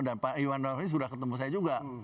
dan pak iwan norris sudah ketemu saya juga